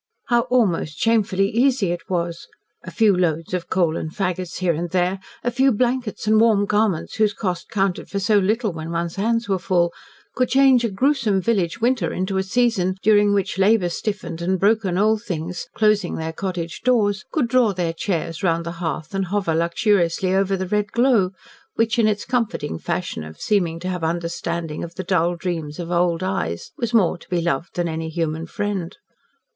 How almost shamefully easy it was; a few loads of coal and faggots here and there, a few blankets and warm garments whose cost counted for so little when one's hands were full, could change a gruesome village winter into a season during which labour stiffened and broken old things, closing their cottage doors, could draw their chairs round the hearth and hover luxuriously over the red glow, which in its comforting fashion of seeming to have understanding of the dull dreams in old eyes, was more to be loved than any human friend.